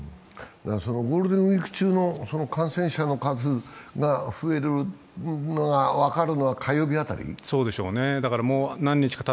ゴールデンウイーク中の感染者の数が増えるのが分かるのはそうでしょうね。